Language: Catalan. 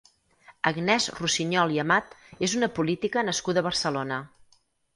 Agnès Russiñol i Amat és una política nascuda a Barcelona.